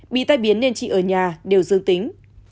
bị tai biến nên chị ở nhà đều dương tính